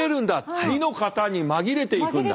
次の方に紛れて行くんだ。